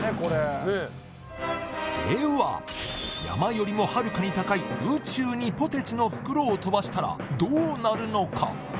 では山よりもはるかに高い宇宙にポテチの袋を飛ばしたらどうなるのか？